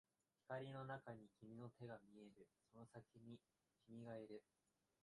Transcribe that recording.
光の中に君の手が見える、その先に君がいる